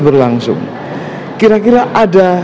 berlangsung kira kira ada